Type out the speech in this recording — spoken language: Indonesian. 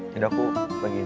nih udah aku bagiin aja